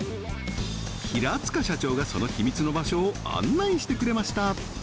平塚社長がその秘密の場所を案内してくれました